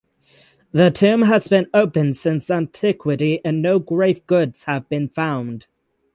The tomb has been open since antiquity and no grave goods have been found.